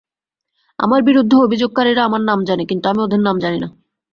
আমার বিরুদ্ধে অভিযোগকারীরা আমার নাম জানে, কিন্তু আমি ওদের নাম জানি না।